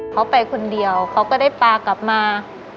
เขาไปคนเดียวเขาก็ได้ปลากลับมา